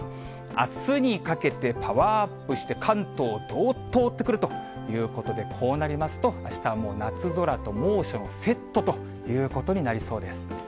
あすにかけてパワーアップして、関東を覆ってくるということで、こうなりますと、あしたはもう夏空と猛暑のセットということになりそうです。